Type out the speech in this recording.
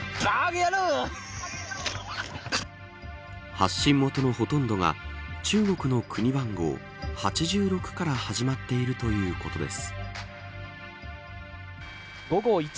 発信元のほとんどが中国の国番号８６から始まっているということです。